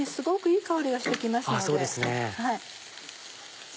いい香りがして来ました。